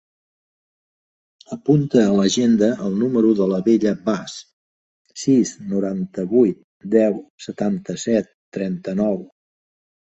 Apunta a l'agenda el número de la Bella Vaz: sis, noranta-vuit, deu, setanta-set, trenta-nou.